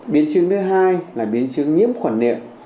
biến chứng thứ hai là biến chứng nhiễm khuẩn niệm